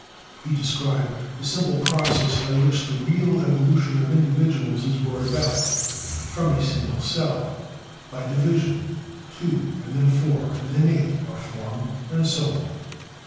He described the simple process by which the real evolution of individuals is brought about: from a single cell, by division, two, and then four and then eight, are formed, and so on.